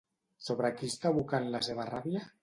Sobre qui està abocant la seva ràbia?